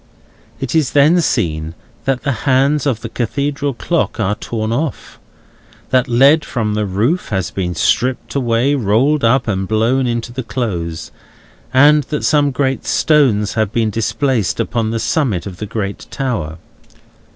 It is then seen that the hands of the Cathedral clock are torn off; that lead from the roof has been stripped away, rolled up, and blown into the Close; and that some stones have been displaced upon the summit of the great tower.